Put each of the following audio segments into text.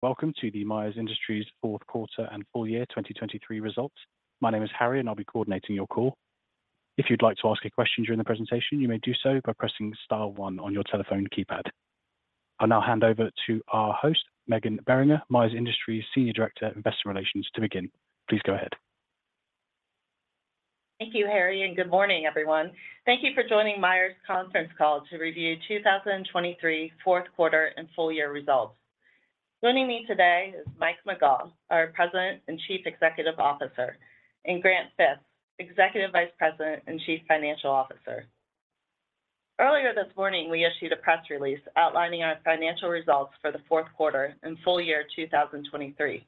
Welcome to the Myers Industries fourth quarter and full year 2023 results. My name is Harry, and I'll be coordinating your call. If you'd like to ask a question during the presentation, you may do so by pressing star one on your telephone keypad. I'll now hand over to our host, Meghan Beringer, Myers Industries Senior Director of Investor Relations, to begin. Please go ahead. Thank you, Harry, and good morning, everyone. Thank you for joining Myers' conference call to review 2023 fourth quarter and full year results. Joining me today is Mike McGaugh, our President and Chief Executive Officer, and Grant Fitz, Executive Vice President and Chief Financial Officer. Earlier this morning, we issued a press release outlining our financial results for the fourth quarter and full year 2023.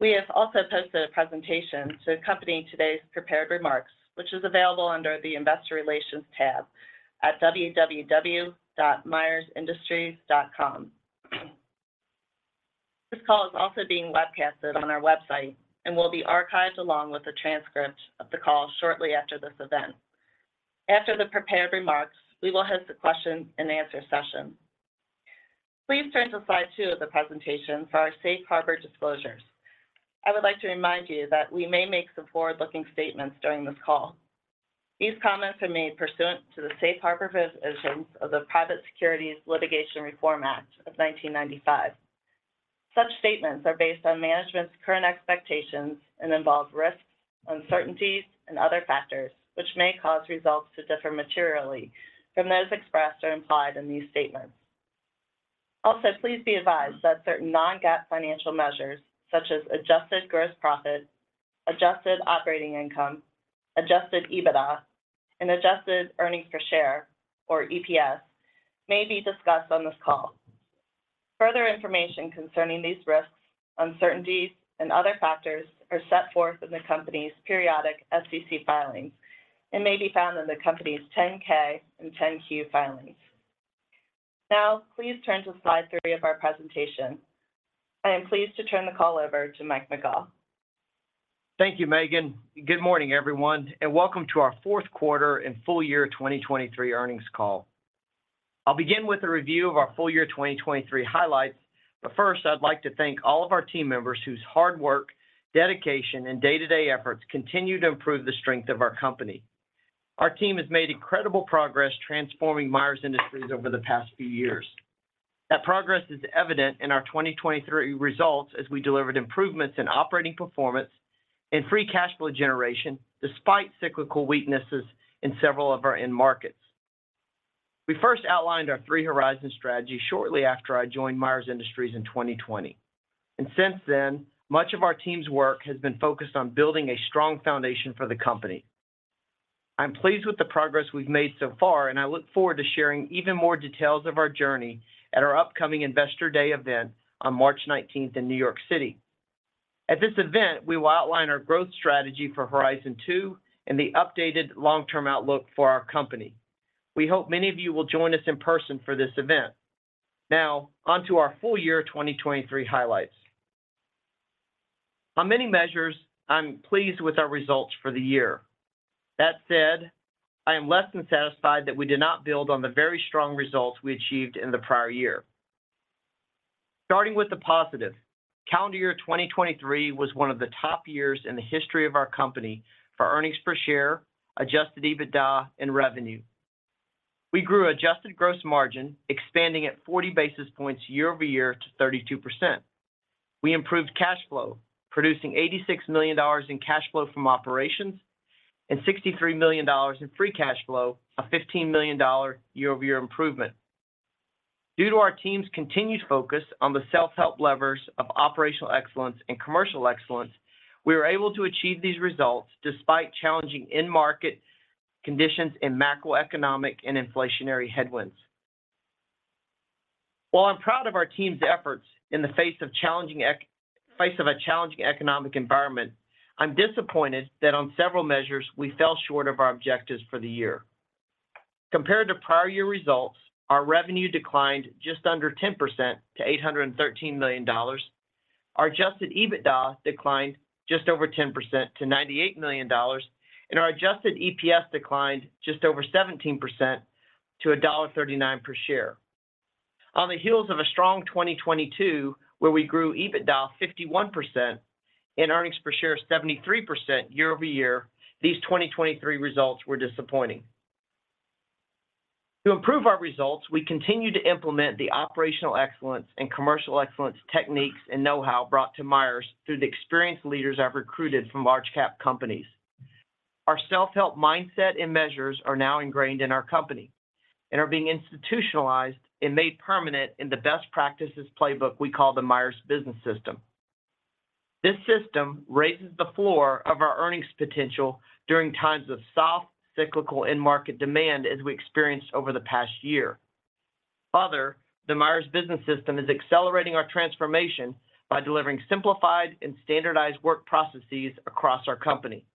We have also posted a presentation to accompany today's prepared remarks, which is available under the Investor Relations tab at www.myersindustries.com. This call is also being webcasted on our website and will be archived along with the transcript of the call shortly after this event. After the prepared remarks, we will host a question-and-answer session. Please turn to slide two of the presentation for our Safe Harbor disclosures. I would like to remind you that we may make some forward-looking statements during this call. These comments are made pursuant to the Safe Harbor provisions of the Private Securities Litigation Reform Act of 1995. Such statements are based on management's current expectations and involve risks, uncertainties, and other factors which may cause results to differ materially from those expressed or implied in these statements. Also, please be advised that certain non-GAAP financial measures, such as adjusted gross profit, adjusted operating income, adjusted EBITDA, and adjusted earnings per share, or EPS, may be discussed on this call. Further information concerning these risks, uncertainties, and other factors are set forth in the company's periodic SEC filings and may be found in the company's 10-K and 10-Q filings. Now, please turn to slide three of our presentation. I am pleased to turn the call over to Mike McGaugh. Thank you, Meghan. Good morning, everyone, and welcome to our fourth quarter and full year 2023 earnings call. I'll begin with a review of our full-year 2023 highlights, but first, I'd like to thank all of our team members whose hard work, dedication, and day-to-day efforts continue to improve the strength of our company. Our team has made incredible progress transforming Myers Industries over the past few years. That progress is evident in our 2023 results as we delivered improvements in operating performance and free cash flow generation despite cyclical weaknesses in several of our end markets. We first outlined our three-horizon strategy shortly after I joined Myers Industries in 2020, and since then, much of our team's work has been focused on building a strong foundation for the company. I'm pleased with the progress we've made so far, and I look forward to sharing even more details of our journey at our upcoming Investor Day event on March 19th in New York City. At this event, we will outline our growth strategy for Horizon 2 and the updated long-term outlook for our company. We hope many of you will join us in person for this event. Now, onto our full year 2023 highlights. On many measures, I'm pleased with our results for the year. That said, I am less than satisfied that we did not build on the very strong results we achieved in the prior year. Starting with the positive, calendar year 2023 was one of the top years in the history of our company for earnings per share, adjusted EBITDA, and revenue. We grew adjusted gross margin, expanding at 40 basis points year-over-year to 32%. We improved cash flow, producing $86 million in cash flow from operations and $63 million in free cash flow, a $15 million year-over-year improvement. Due to our team's continued focus on the self-help levers of operational excellence and commercial excellence, we were able to achieve these results despite challenging end-market conditions and macroeconomic and inflationary headwinds. While I'm proud of our team's efforts in the face of a challenging economic environment, I'm disappointed that on several measures we fell short of our objectives for the year. Compared to prior year results, our revenue declined just under 10% to $813 million, our Adjusted EBITDA declined just over 10% to $98 million, and our Adjusted EPS declined just over 17% to $1.39 per share. On the heels of a strong 2022, where we grew EBITDA 51% and earnings per share 73% year-over-year, these 2023 results were disappointing. To improve our results, we continue to implement the operational excellence and commercial excellence techniques and know-how brought to Myers through the experienced leaders I've recruited from large-cap companies. Our self-help mindset and measures are now ingrained in our company and are being institutionalized and made permanent in the best practices playbook we call the Myers Business System. This system raises the floor of our earnings potential during times of soft, cyclical end-market demand as we experienced over the past year. Further, the Myers Business System is accelerating our transformation by delivering simplified and standardized work processes across our company.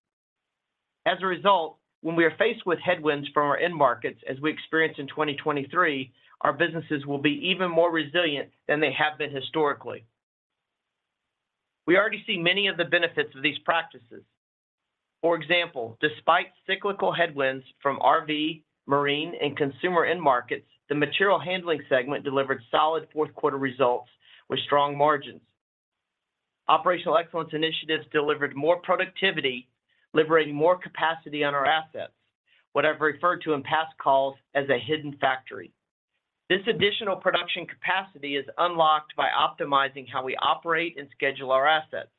As a result, when we are faced with headwinds from our end markets as we experienced in 2023, our businesses will be even more resilient than they have been historically. We already see many of the benefits of these practices. For example, despite cyclical headwinds from RV, Marine, and Consumer end markets, the Material Handling segment delivered solid fourth quarter results with strong margins. Operational excellence initiatives delivered more productivity, liberating more capacity on our assets, what I've referred to in past calls as a hidden factory. This additional production capacity is unlocked by optimizing how we operate and schedule our assets.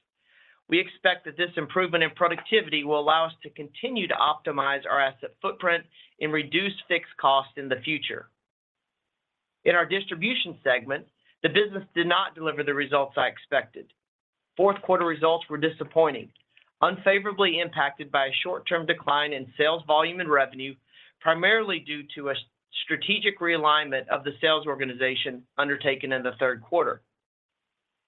We expect that this improvement in productivity will allow us to continue to optimize our asset footprint and reduce fixed costs in the future. In our Distribution segment, the business did not deliver the results I expected. Fourth quarter results were disappointing, unfavorably impacted by a short-term decline in sales volume and revenue, primarily due to a strategic realignment of the sales organization undertaken in the third quarter.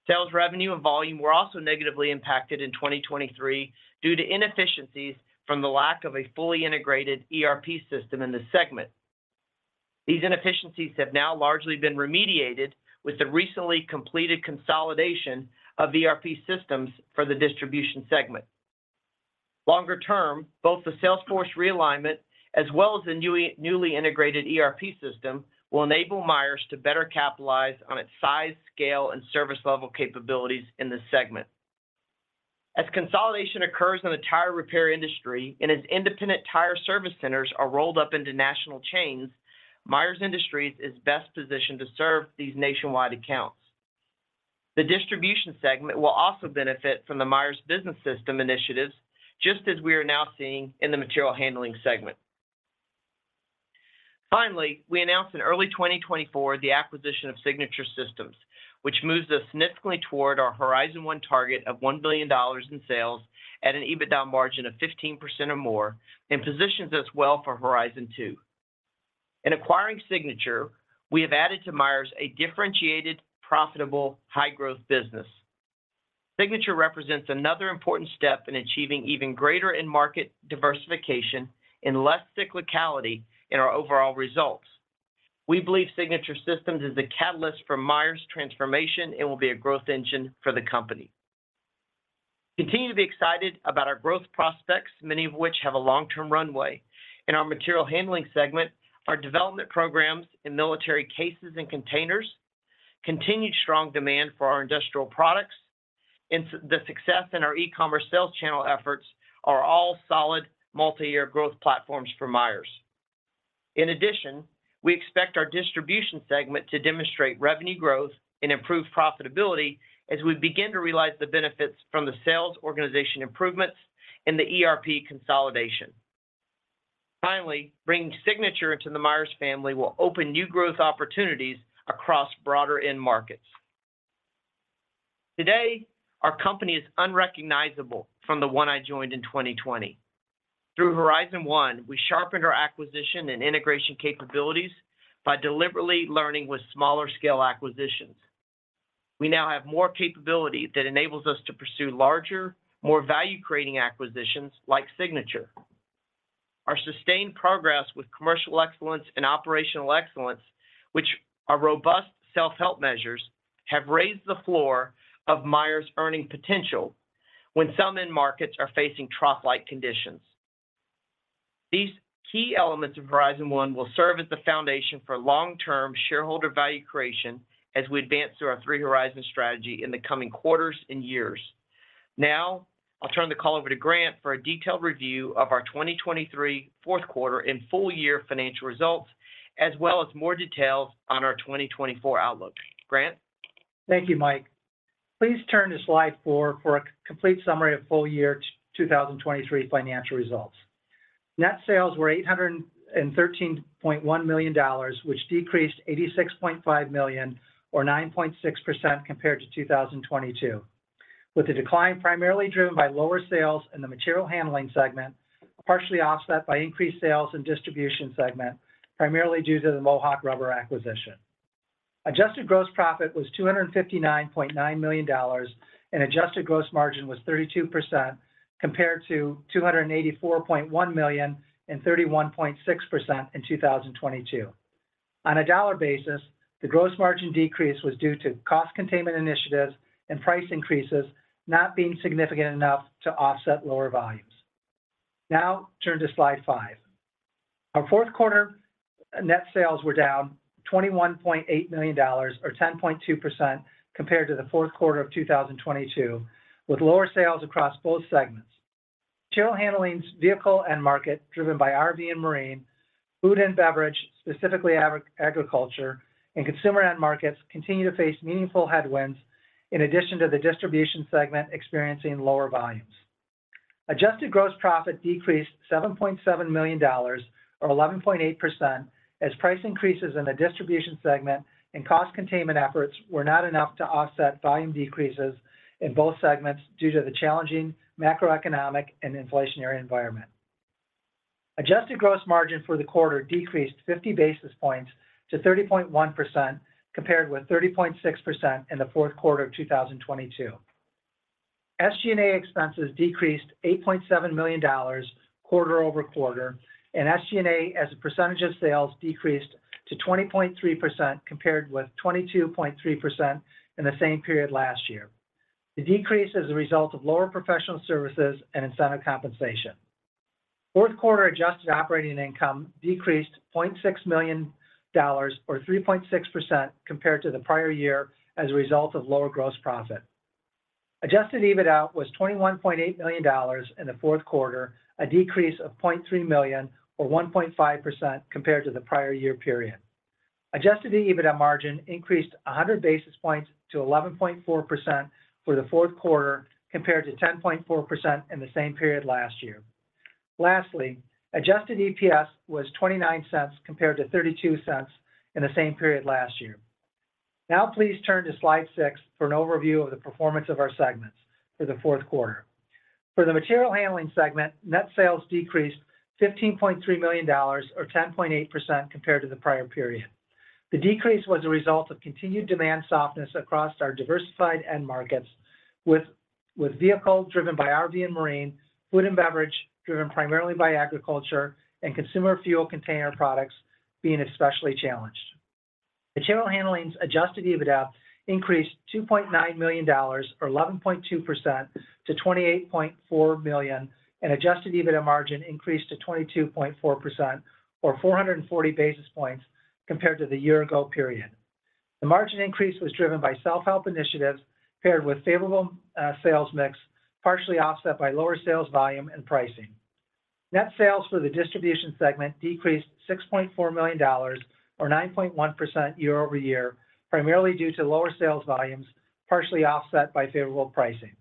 Sales revenue and volume were also negatively impacted in 2023 due to inefficiencies from the lack of a fully integrated ERP system in the segment. These inefficiencies have now largely been remediated with the recently completed consolidation of ERP systems for the Distribution segment. Longer term, both the sales force realignment as well as the newly integrated ERP system will enable Myers to better capitalize on its size, scale, and service level capabilities in this segment. As consolidation occurs in the tire repair industry and as independent tire service centers are rolled up into national chains, Myers Industries is best positioned to serve these nationwide accounts. The Distribution segment will also benefit from the Myers Business System initiatives, just as we are now seeing in the Material Handling segment. Finally, we announced in early 2024 the acquisition of Signature Systems, which moves us significantly toward our Horizon 1 target of $1 billion in sales at an EBITDA margin of 15% or more and positions us well for Horizon 2. In acquiring Signature, we have added to Myers a differentiated, profitable, high-growth business. Signature represents another important step in achieving even greater end-market diversification and less cyclicality in our overall results. We believe Signature Systems is the catalyst for Myers' transformation and will be a growth engine for the company. Continue to be excited about our growth prospects, many of which have a long-term runway. In our Material Handling segment, our development programs in military cases and containers, continued strong demand for our industrial products, and the success in our e-commerce sales channel efforts are all solid multi-year growth platforms for Myers. In addition, we expect our Distribution segment to demonstrate revenue growth and improved profitability as we begin to realize the benefits from the sales organization improvements and the ERP consolidation. Finally, bringing Signature into the Myers family will open new growth opportunities across broader end markets. Today, our company is unrecognizable from the one I joined in 2020. Through Horizon 1, we sharpened our acquisition and integration capabilities by deliberately learning with smaller-scale acquisitions. We now have more capability that enables us to pursue larger, more value-creating acquisitions like Signature. Our sustained progress with commercial excellence and operational excellence, which are robust self-help measures, have raised the floor of Myers' earning potential when some end markets are facing trough-like conditions. These key elements of Horizon 1 will serve as the foundation for long-term shareholder value creation as we advance through our three-horizon strategy in the coming quarters and years. Now, I'll turn the call over to Grant for a detailed review of our 2023 fourth quarter and full year financial results as well as more details on our 2024 outlook. Grant? Thank you, Mike. Please turn to slide four for a complete summary of full year 2023 financial results. Net sales were $813.1 million, which decreased $86.5 million or 9.6% compared to 2022, with a decline primarily driven by lower sales in the Material Handling segment, partially offset by increased sales in the Distribution segment, primarily due to the Mohawk Rubber acquisition. Adjusted gross profit was $259.9 million, and adjusted gross margin was 32% compared to $284.1 million and 31.6% in 2022. On a dollar basis, the gross margin decrease was due to cost containment initiatives and price increases not being significant enough to offset lower volumes. Now, turn to slide five. Our fourth quarter net sales were down $21.8 million, or 10.2% compared to the fourth quarter of 2022, with lower sales across both segments. Material Handling's vehicle end market, driven by RV and Marine, Food and Beverage, specifically Agriculture, and Consumer end markets continue to face meaningful headwinds in addition to the Distribution segment experiencing lower volumes. Adjusted gross profit decreased $7.7 million or 11.8% as price increases in the Distribution segment and cost containment efforts were not enough to offset volume decreases in both segments due to the challenging macroeconomic and inflationary environment. Adjusted gross margin for the quarter decreased 50 basis points to 30.1% compared with 30.6% in the fourth quarter of 2022. SG&A expenses decreased $8.7 million quarter-over-quarter, and SG&A as a percentage of sales decreased to 20.3% compared with 22.3% in the same period last year. The decrease is a result of lower professional services and incentive compensation. Fourth quarter adjusted operating income decreased $0.6 million or 3.6% compared to the prior year as a result of lower gross profit. Adjusted EBITDA was $21.8 million in the fourth quarter, a decrease of 0.3 million or 1.5% compared to the prior year period. Adjusted EBITDA margin increased 100 basis points to 11.4% for the fourth quarter compared to 10.4% in the same period last year. Lastly, adjusted EPS was $0.29 compared to $0.32 in the same period last year. Now, please turn to slide six for an overview of the performance of our segments for the fourth quarter. For the Material Handling segment, net sales decreased $15.3 million or 10.8% compared to the prior period. The decrease was a result of continued demand softness across our diversified end markets, with vehicle driven by RV and Marine, Food and Beverage driven primarily by Agriculture, and Consumer Fuel Container products being especially challenged. Material Handling's adjusted EBITDA increased $2.9 million or 11.2% to 28.4 million, and adjusted EBITDA margin increased to 22.4% or 440 basis points compared to the year-ago period. The margin increase was driven by self-help initiatives paired with a favorable sales mix, partially offset by lower sales volume and pricing. Net sales for the Distribution segment decreased $6.4 million or 9.1% year-over-year, primarily due to lower sales volumes, partially offset by favorable pricing.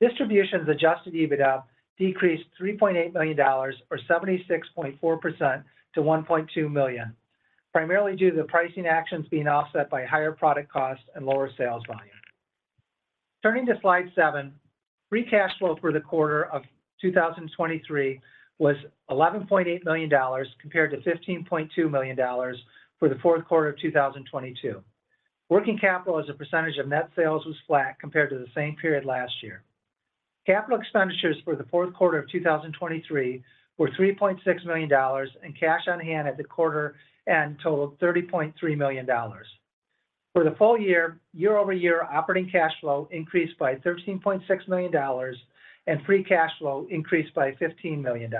Distribution's adjusted EBITDA decreased $3.8 million or 76.4% to 1.2 million, primarily due to the pricing actions being offset by higher product costs and lower sales volume. Turning to slide seven, free cash flow for the quarter of 2023 was $11.8 million compared to $15.2 million for the fourth quarter of 2022. Working capital as a percentage of net sales was flat compared to the same period last year. Capital expenditures for the fourth quarter of 2023 were $3.6 million, and cash on hand at the quarter-end totaled $30.3 million. For the full year, year-over-year, operating cash flow increased by $13.6 million, and free cash flow increased by $15 million.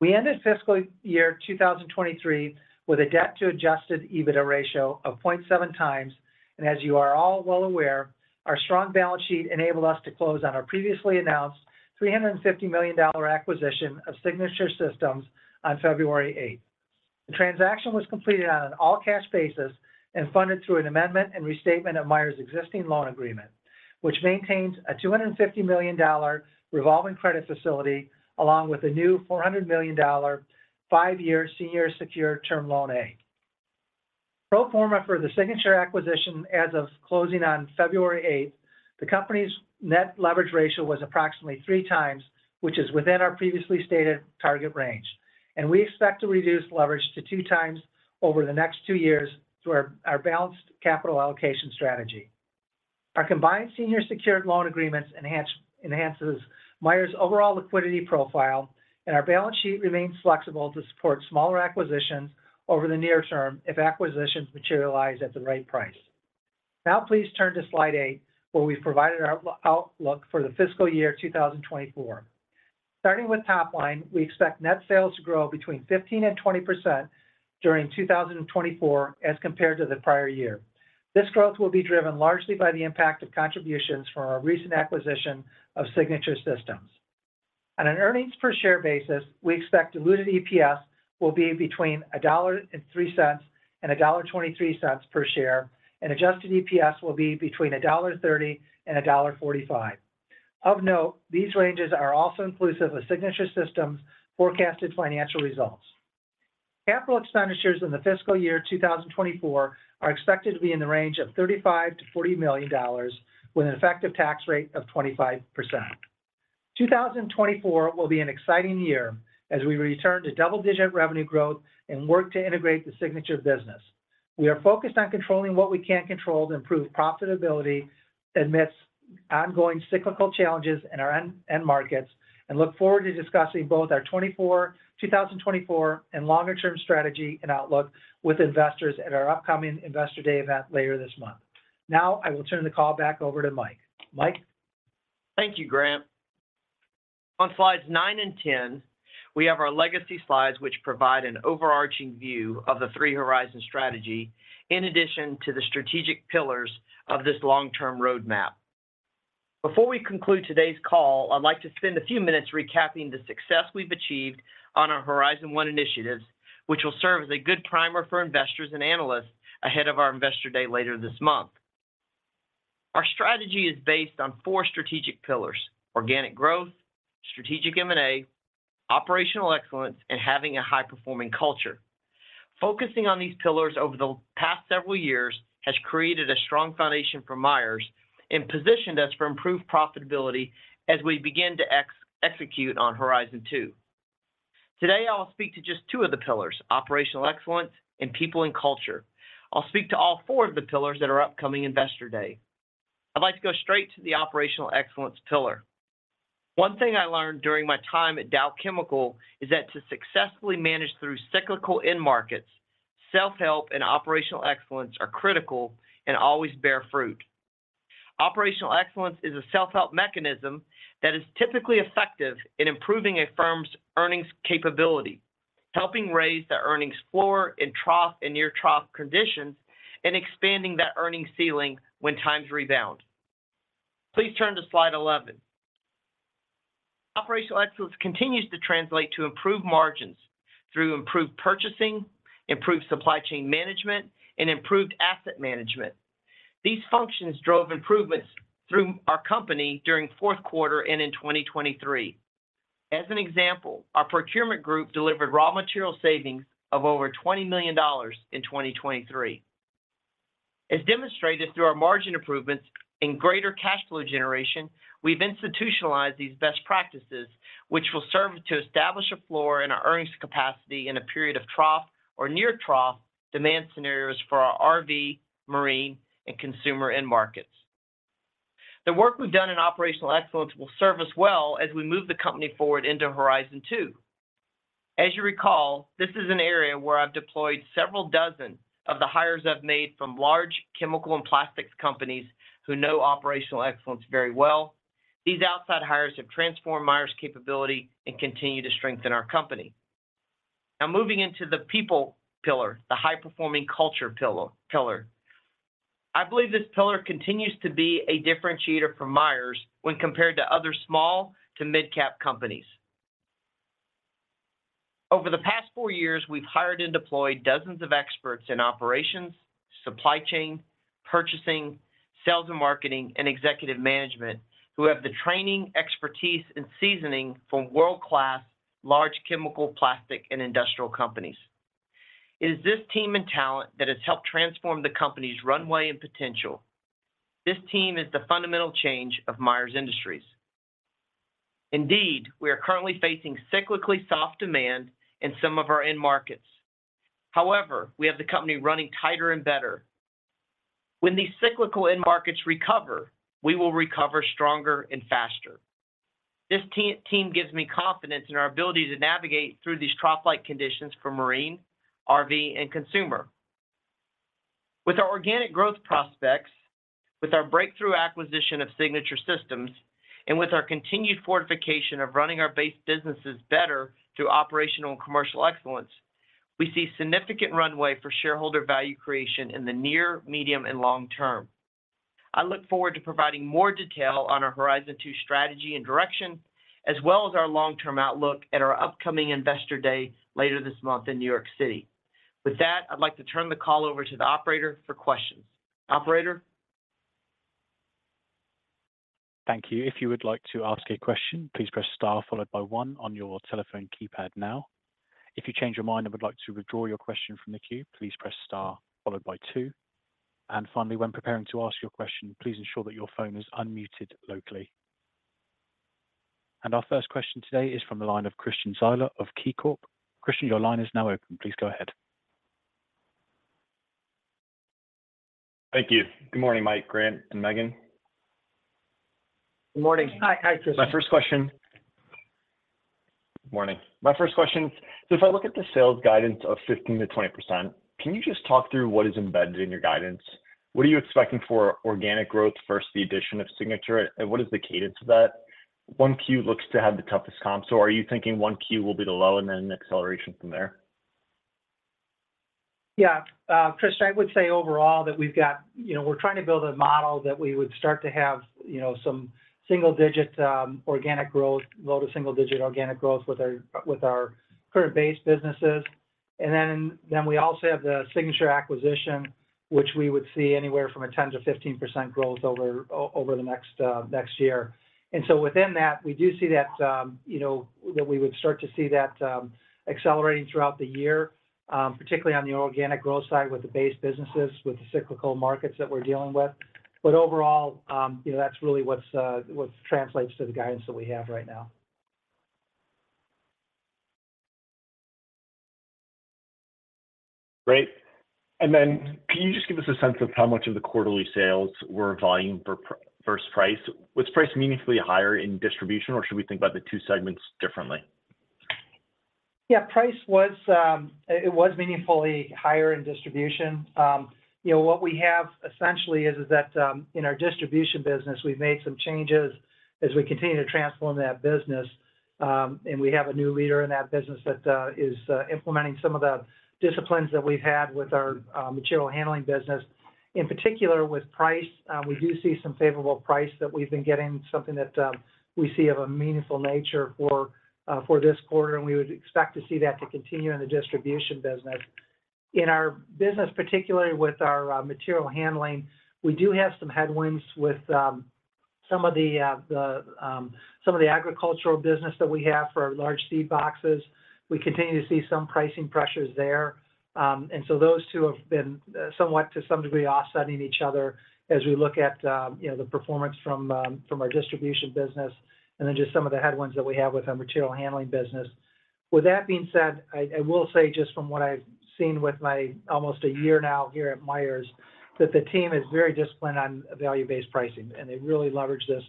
We ended fiscal year 2023 with a debt-to-Adjusted EBITDA ratio of 0.7 times, and as you are all well aware, our strong balance sheet enabled us to close on our previously announced $350 million acquisition of Signature Systems on February 8th. The transaction was completed on an all-cash basis and funded through an amendment and restatement of Myers' existing loan agreement, which maintains a $250 million revolving credit facility along with a new $400 million five-year senior secured term loan A. Pro forma for the Signature acquisition as of closing on February 8th, the company's net leverage ratio was approximately 3x, which is within our previously stated target range, and we expect to reduce leverage to 2x over the next two years through our balanced capital allocation strategy. Our combined senior secured loan agreements enhance Myers' overall liquidity profile, and our balance sheet remains flexible to support smaller acquisitions over the near term if acquisitions materialize at the right price. Now, please turn to slide eight, where we've provided our outlook for the fiscal year 2024. Starting with top line, we expect net sales to grow between 15% and 20% during 2024 as compared to the prior year. This growth will be driven largely by the impact of contributions from our recent acquisition of Signature Systems. On an earnings per share basis, we expect diluted EPS will be between $1.03 and $1.23 per share, and adjusted EPS will be between $1.30 and $1.45. Of note, these ranges are also inclusive of Signature Systems' forecasted financial results. Capital expenditures in the fiscal year 2024 are expected to be in the range of $35-$40 million with an effective tax rate of 25%. 2024 will be an exciting year as we return to double-digit revenue growth and work to integrate the Signature business. We are focused on controlling what we can't control to improve profitability, admit ongoing cyclical challenges in our end markets, and look forward to discussing both our 2024 and longer-term strategy and outlook with investors at our upcoming Investor Day event later this month. Now, I will turn the call back over to Mike. Mike? Thank you, Grant. On slides nine and 10, we have our legacy slides, which provide an overarching view of the three-horizon strategy in addition to the strategic pillars of this long-term roadmap. Before we conclude today's call, I'd like to spend a few minutes recapping the success we've achieved on our Horizon 1 initiatives, which will serve as a good primer for investors and analysts ahead of our Investor Day later this month. Our strategy is based on four strategic pillars: organic growth, strategic M&A, operational excellence, and having a high-performing culture. Focusing on these pillars over the past several years has created a strong foundation for Myers and positioned us for improved profitability as we begin to execute on Horizon 2. Today, I will speak to just two of the pillars: operational excellence and people and culture. I'll speak to all four of the pillars at our upcoming Investor Day. I'd like to go straight to the operational excellence pillar. One thing I learned during my time at Dow Chemical is that to successfully manage through cyclical end markets, self-help and operational excellence are critical and always bear fruit. Operational excellence is a self-help mechanism that is typically effective in improving a firm's earnings capability, helping raise the earnings floor in trough and near-trough conditions, and expanding that earnings ceiling when times rebound. Please turn to slide 11. Operational excellence continues to translate to improved margins through improved purchasing, improved supply chain management, and improved asset management. These functions drove improvements through our company during fourth quarter and in 2023. As an example, our procurement group delivered raw material savings of over $20 million in 2023. As demonstrated through our margin improvements and greater cash flow generation, we've institutionalized these best practices, which will serve to establish a floor in our earnings capacity in a period of trough or near-trough demand scenarios for our RV, Marine, and Consumer end markets. The work we've done in operational excellence will serve us well as we move the company forward into Horizon 2. As you recall, this is an area where I've deployed several dozen of the hires I've made from large chemical and plastics companies who know operational excellence very well. These outside hires have transformed Myers' capability and continue to strengthen our company. Now, moving into the people pillar, the high-performing culture pillar. I believe this pillar continues to be a differentiator for Myers when compared to other small to mid-cap companies. Over the past four years, we've hired and deployed dozens of experts in operations, supply chain, purchasing, sales and marketing, and executive management who have the training, expertise, and seasoning from world-class large chemical, plastic, and industrial companies. It is this team and talent that has helped transform the company's runway and potential. This team is the fundamental change of Myers Industries. Indeed, we are currently facing cyclically soft demand in some of our end markets. However, we have the company running tighter and better. When these cyclical end markets recover, we will recover stronger and faster. This team gives me confidence in our ability to navigate through these trough-like conditions for Marine, RV, and Consumer. With our organic growth prospects, with our breakthrough acquisition of Signature Systems, and with our continued fortification of running our base businesses better through operational and commercial excellence, we see significant runway for shareholder value creation in the near, medium, and long term. I look forward to providing more detail on our Horizon 2 strategy and direction, as well as our long-term outlook, at our upcoming Investor Day later this month in New York City. With that, I'd like to turn the call over to the operator for questions. Operator? Thank you. If you would like to ask a question, please press star followed by one on your telephone keypad now. If you change your mind and would like to withdraw your question from the queue, please press star followed by two. And finally, when preparing to ask your question, please ensure that your phone is unmuted locally. And our first question today is from the line of Christian Zyla of KeyCorp. Christian, your line is now open. Please go ahead. Thank you. Good morning, Mike, Grant, and Meghan. Good morning. Hi, Christian. Good morning. My first question is, so if I look at the sales guidance of 15%-20%, can you just talk through what is embedded in your guidance? What are you expecting for organic growth versus the addition of Signature, and what is the cadence of that? 1`Q looks to have the toughest comp, so are you thinking 1Q will be the low and then an acceleration from there? Yeah. Christian, I would say overall that we're trying to build a model that we would start to have some single-digit organic growth, low to single-digit organic growth with our current base businesses. And then we also have the Signature acquisition, which we would see anywhere from 10%-15% growth over the next year. And so within that, we do see that we would start to see that accelerating throughout the year, particularly on the organic growth side with the base businesses, with the cyclical markets that we're dealing with. But overall, that's really what translates to the guidance that we have right now. Great. And then can you just give us a sense of how much of the quarterly sales were volume versus price? Was price meaningfully higher in Distribution, or should we think about the two segments differently? Yeah, price was, it was meaningfully higher in Distribution. What we have essentially is that in our Distribution business, we've made some changes as we continue to transform that business. And we have a new leader in that business that is implementing some of the disciplines that we've had with our Material Handling business. In particular, with price, we do see some favorable price that we've been getting, something that we see of a meaningful nature for this quarter, and we would expect to see that to continue in the Distribution business. In our business, particularly with our Material Handling, we do have some headwinds with some of the Agricultural business that we have for our large seed boxes. We continue to see some pricing pressures there. And so those two have been somewhat, to some degree, offsetting each other as we look at the performance from our Distribution business and then just some of the headwinds that we have with our Material Handling business. With that being said, I will say just from what I've seen with my almost a year now here at Myers, that the team is very disciplined on value-based pricing, and they really leverage this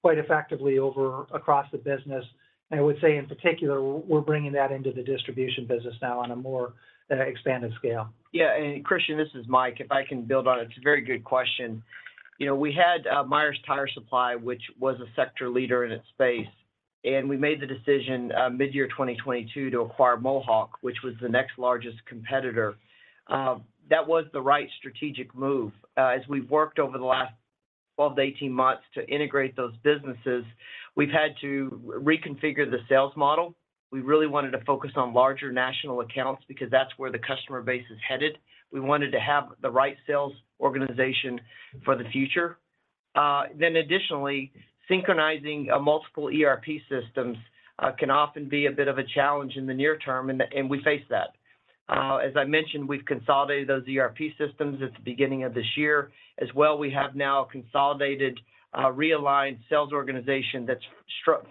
quite effectively across the business. And I would say in particular, we're bringing that into the Distribution business now on a more expanded scale. Yeah. Christian, this is Mike. If I can build on, it's a very good question. We had Myers Tire Supply, which was a sector leader in its space, and we made the decision mid-year 2022 to acquire Mohawk, which was the next largest competitor. That was the right strategic move. As we've worked over the last 12-18 months to integrate those businesses, we've had to reconfigure the sales model. We really wanted to focus on larger national accounts because that's where the customer base is headed. We wanted to have the right sales organization for the future. Then additionally, synchronizing multiple ERP systems can often be a bit of a challenge in the near term, and we face that. As I mentioned, we've consolidated those ERP systems at the beginning of this year as well. We have now a consolidated, realigned sales organization that's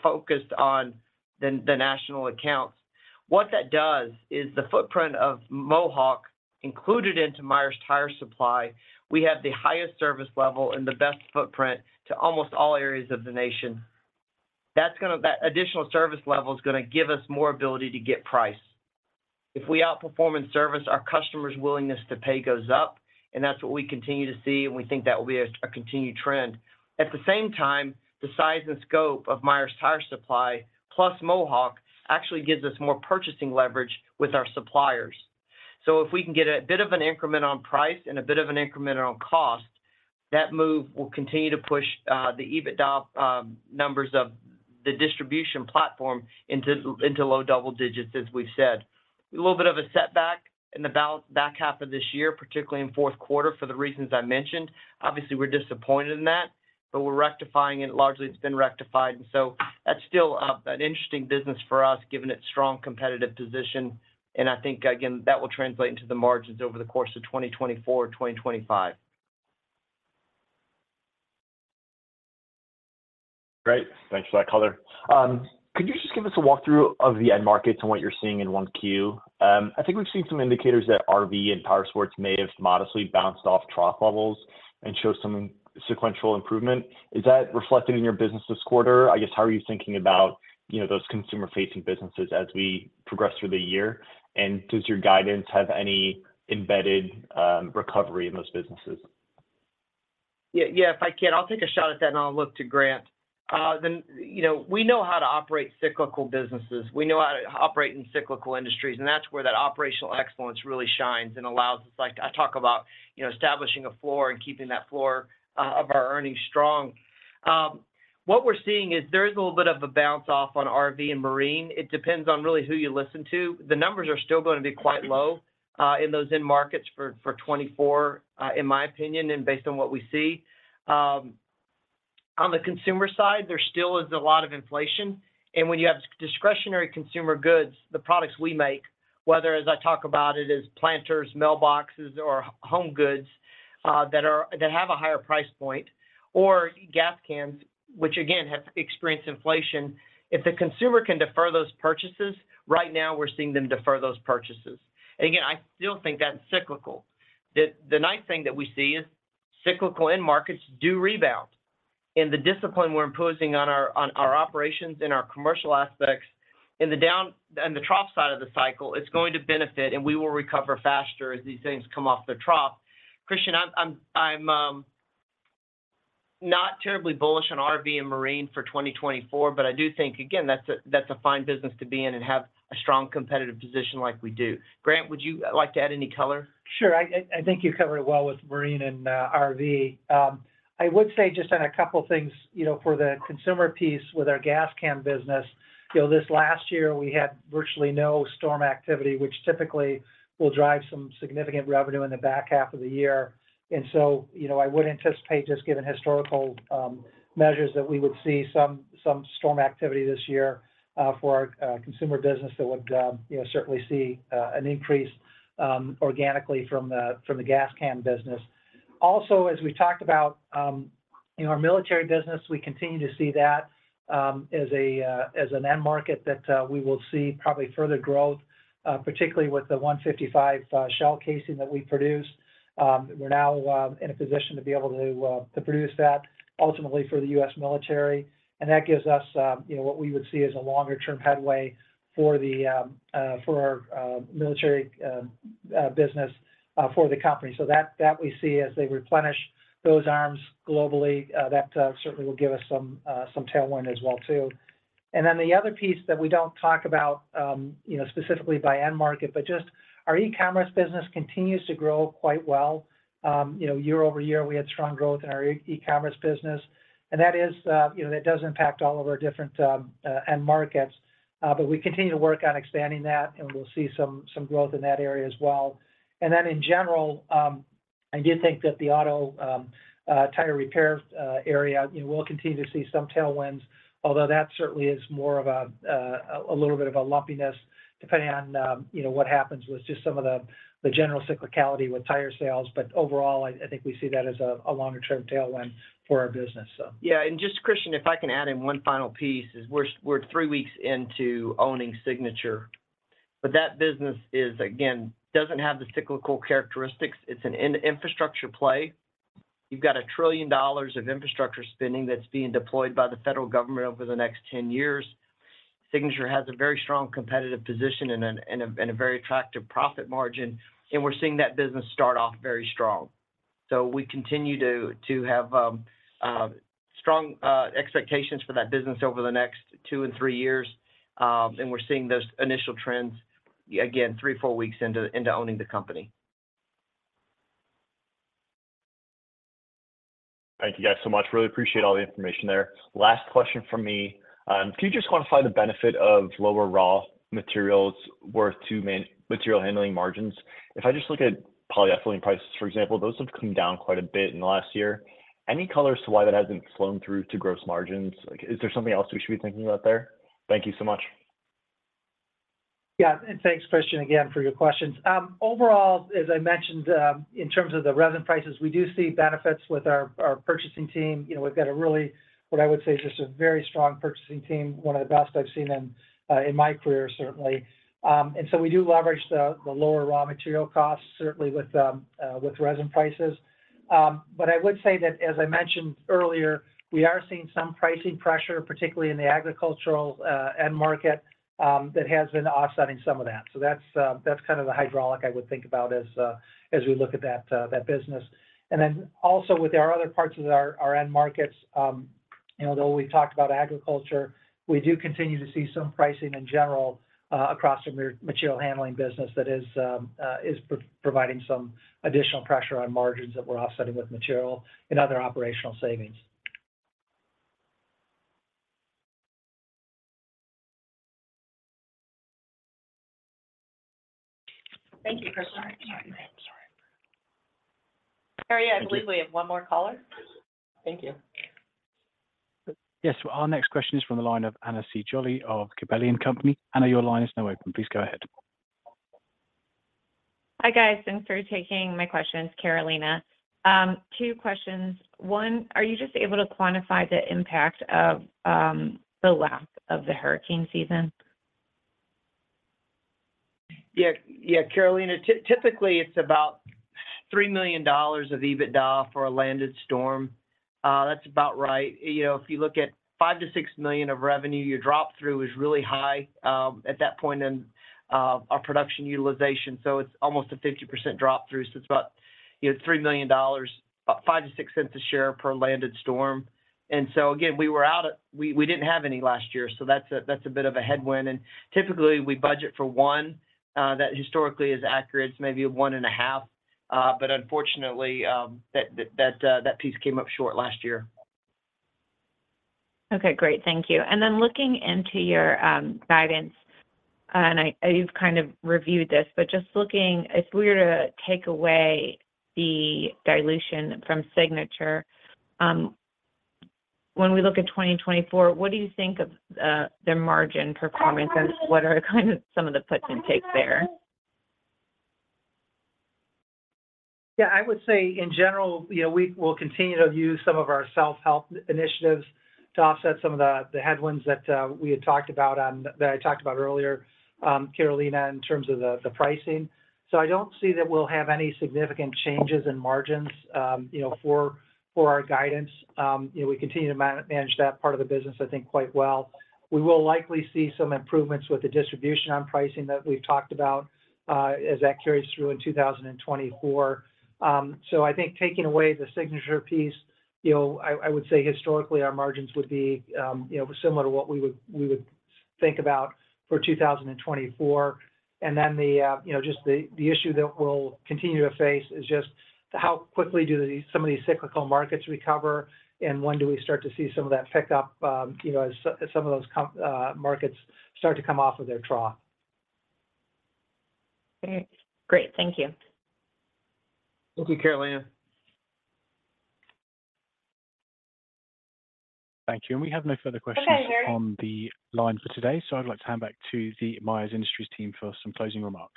focused on the national accounts. What that does is the footprint of Mohawk included into Myers Tire Supply, we have the highest service level and the best footprint to almost all areas of the nation. That additional service level is going to give us more ability to get price. If we outperform in service, our customer's willingness to pay goes up, and that's what we continue to see, and we think that will be a continued trend. At the same time, the size and scope of Myers Tire Supply plus Mohawk actually gives us more purchasing leverage with our suppliers. So if we can get a bit of an increment on price and a bit of an increment on cost, that move will continue to push the EBITDA numbers of the Distribution platform into low double digits, as we've said. A little bit of a setback in the back half of this year, particularly in fourth quarter for the reasons I mentioned. Obviously, we're disappointed in that, but we're rectifying it largely. It's been rectified. And so that's still an interesting business for us given its strong competitive position. And I think, again, that will translate into the margins over the course of 2024, 2025. Great. Thanks for that color. Could you just give us a walkthrough of the end markets and what you're seeing in 1Q? I think we've seen some indicators that RV and tire sports may have modestly bounced off trough levels and showed some sequential improvement. Is that reflected in your business this quarter? I guess, how are you thinking about those consumer-facing businesses as we progress through the year? And does your guidance have any embedded recovery in those businesses? Yeah. If I can, I'll take a shot at that, and I'll look to Grant. We know how to operate cyclical businesses. We know how to operate in cyclical industries, and that's where that operational excellence really shines and allows us. I talk about establishing a floor and keeping that floor of our earnings strong. What we're seeing is there is a little bit of a bounce off on RV and Marine. It depends on really who you listen to. The numbers are still going to be quite low in those end markets for 2024, in my opinion, and based on what we see. On the Consumer side, there still is a lot of inflation. And when you have discretionary consumer goods, the products we make, whether, as I talk about it, as planters, mailboxes, or home goods that have a higher price point, or gas cans, which, again, have experienced inflation, if the consumer can defer those purchases, right now, we're seeing them defer those purchases. And again, I still think that's cyclical. The nice thing that we see is cyclical end markets do rebound. And the discipline we're imposing on our operations and our commercial aspects in the trough side of the cycle, it's going to benefit, and we will recover faster as these things come off their trough. Christian, I'm not terribly bullish on RV and Marine for 2024, but I do think, again, that's a fine business to be in and have a strong competitive position like we do. Grant, would you like to add any color? Sure. I think you covered it well with Marine and RV. I would say just on a couple of things for the consumer piece with our Gas Can business. This last year, we had virtually no storm activity, which typically will drive some significant revenue in the back half of the year. And so I would anticipate, just given historical measures, that we would see some storm activity this year for our Consumer business that would certainly see an increase organically from the Gas Can business. Also, as we talked about our Military business, we continue to see that as an end market that we will see probably further growth, particularly with the 155mm shell casing that we produce. We're now in a position to be able to produce that ultimately for the U.S. military. And that gives us what we would see as a longer-term headway for our Military business for the company. So that we see as they replenish those arms globally, that certainly will give us some tailwind as well, too. And then the other piece that we don't talk about specifically by end market, but just our e-commerce business continues to grow quite well. Year-over-year, we had strong growth in our e-commerce business. And that does impact all of our different end markets. But we continue to work on expanding that, and we'll see some growth in that area as well. And then in general, I do think that the auto tire repair area will continue to see some tailwinds, although that certainly is more of a little bit of a lumpiness depending on what happens with just some of the general cyclicality with tire sales. Overall, I think we see that as a longer-term tailwind for our business, so. Yeah. And just Christian, if I can add in one final piece, is we're three weeks into owning Signature. But that business, again, doesn't have the cyclical characteristics. It's an infrastructure play. You've got $1 trillion of infrastructure spending that's being deployed by the federal government over the next 10 years. Signature has a very strong competitive position and a very attractive profit margin, and we're seeing that business start off very strong. So we continue to have strong expectations for that business over the next two and three years, and we're seeing those initial trends, again, three to four weeks into owning the company. Thank you guys so much. Really appreciate all the information there. Last question from me. Can you just quantify the benefit of lower raw materials worth to Material Handling margins? If I just look at polyethylene prices, for example, those have come down quite a bit in the last year. Any colors to why that hasn't flown through to gross margins? Is there something else we should be thinking about there? Thank you so much. Yeah. And thanks, Christian, again, for your questions. Overall, as I mentioned, in terms of the resin prices, we do see benefits with our purchasing team. We've got a really, what I would say, just a very strong purchasing team, one of the best I've seen in my career, certainly. And so we do leverage the lower raw material costs, certainly with resin prices. But I would say that, as I mentioned earlier, we are seeing some pricing pressure, particularly in the Agricultural end market, that has been offsetting some of that. So that's kind of the hydraulic I would think about as we look at that business. And then also with our other parts of our end markets, though we've talked about Agriculture, we do continue to see some pricing in general across our Material Handling business that is providing some additional pressure on margins that we're offsetting with material and other operational savings. Thank you, Christian. I believe we have one more caller. Thank you. Yes. Our next question is from the line of Carolina Jolly of Gabelli & Company. Carolina, your line is now open. Please go ahead. Hi, guys. Thanks for taking my questions, Carolina. Two questions. One, are you just able to quantify the impact of the lack of the hurricane season? Yeah. Carolina, typically, it's about $3 million of EBITDA for a landed storm. That's about right. If you look at $5 million-$6 million of revenue, your drop-through is really high at that point in our production utilization. So it's almost a 50% drop-through. So it's about $3 million, about $0.05-$0.06 a share per landed storm. And so again, we were out of we didn't have any last year. So that's a bit of a headwind. And typically, we budget for one. That historically is accurate. It's maybe a one and a half. But unfortunately, that piece came up short last year. Okay. Great. Thank you. And then looking into your guidance, and you've kind of reviewed this, but just looking, if we were to take away the dilution from Signature, when we look at 2024, what do you think of their margin performance and what are kind of some of the puts and takes there? Yeah. I would say, in general, we'll continue to use some of our self-help initiatives to offset some of the headwinds that we had talked about that I talked about earlier, Carolina, in terms of the pricing. So I don't see that we'll have any significant changes in margins for our guidance. We continue to manage that part of the business, I think, quite well. We will likely see some improvements with the Distribution on pricing that we've talked about as that carries through in 2024. So I think taking away the Signature piece, I would say historically, our margins would be similar to what we would think about for 2024. And then just the issue that we'll continue to face is just how quickly do some of these cyclical markets recover, and when do we start to see some of that pickup as some of those markets start to come off of their trough? Great. Thank you. Thank you, Carolina. Thank you. We have no further questions on the line for today. I'd like to hand back to the Myers Industries team for some closing remarks.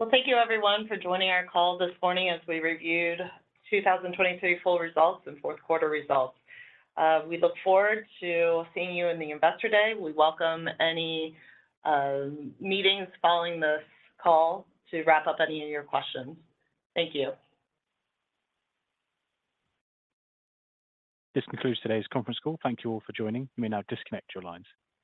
Well, thank you, everyone, for joining our call this morning as we reviewed 2023 full results and fourth-quarter results. We look forward to seeing you in the Investor Day. We welcome any meetings following this call to wrap up any of your questions. Thank you. This concludes today's conference call. Thank you all for joining. You may now disconnect your lines.